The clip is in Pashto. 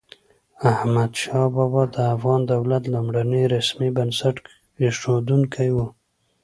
احمد شاه بابا د افغان دولت لومړنی رسمي بنسټ اېښودونکی و.